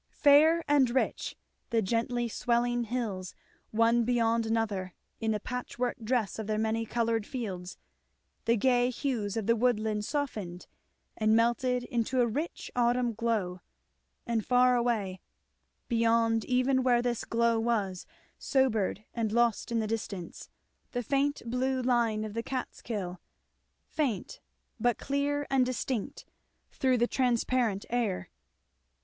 Fair and rich, the gently swelling hills, one beyond another, in the patchwork dress of their many coloured fields, the gay hues of the woodland softened and melted into a rich autumn glow, and far away, beyond even where this glow was sobered and lost in the distance, the faint blue line of the Catskill; faint, but clear and distinct through the transparent air.